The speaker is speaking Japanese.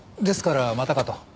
ですからまたかと。